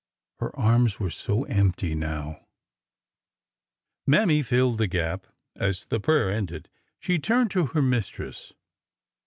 Her arms were so empty now ! Mammy filled the gap. As the prayer ended, she turned to her mistress.